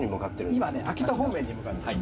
今ね、秋田方面に向かっています。